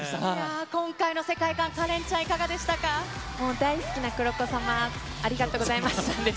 今回の世界観、カレンちゃん、もう大好きなＫＵＲＯＫＯ様、ありがとうございます。